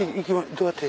どうやって？